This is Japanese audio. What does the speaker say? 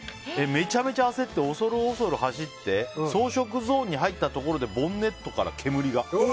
めちゃめちゃ焦って恐る恐る走って草食ゾーンに入ったところでボンネットから煙が。